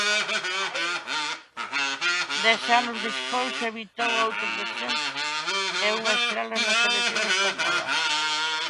Dez anos despois evitou outro descenso e é unha estrela na selección española.